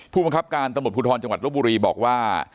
ผู้มันครับการตมติภูทรจังหวัดลบุรีบอกว่า